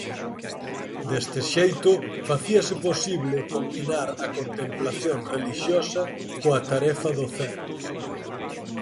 Deste xeito facíase posible combinar a contemplación relixiosa coa tarefa docente.